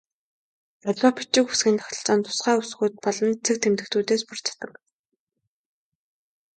Аливаа бичиг үсгийн тогтолцоо нь тусгай үсгүүд болон цэг тэмдэгтүүдээс бүрддэг.